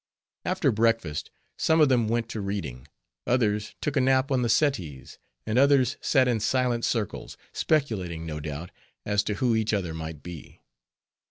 After breakfast, some of them went to reading: others took a nap on the settees; and others sat in silent circles, speculating, no doubt, as to who each other might be.